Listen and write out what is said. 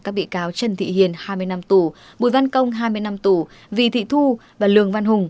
các bị cáo trần thị hiền hai mươi năm tù bùi văn công hai mươi năm tù vì thị thu và lường văn hùng